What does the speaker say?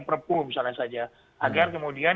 perpu misalnya saja agar kemudian